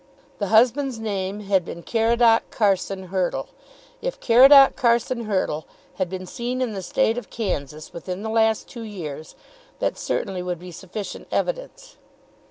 The husband's name had been Caradoc Carson Hurtle. If Caradoc Carson Hurtle had been seen in the State of Kansas within the last two years, that certainly would be sufficient evidence.